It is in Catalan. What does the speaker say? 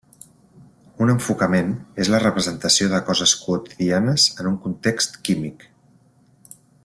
Un enfocament és la representació de coses quotidianes en un context químic.